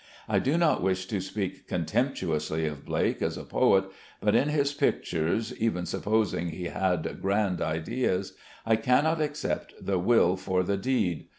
I do not wish to speak contemptuously of Blake as a poet, but in his pictures (even supposing he had grand ideas) I cannot accept the will for the deed.